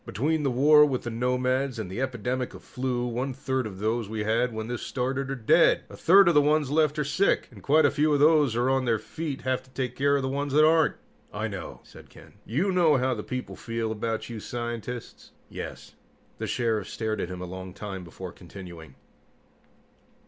"Between the war with the nomads and the epidemic of flu, one third of those we had when this started are dead. A third of the ones left are sick, and quite a few of those on their feet have to take care of the ones that aren't." "I know," said Ken. "You know how the people feel about you scientists?" "Yes." The Sheriff stared at him a long time before continuing.